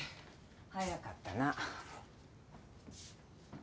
早かったな。